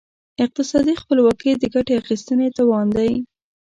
اقتصادي خپلواکي د ګټې اخیستنې توان دی.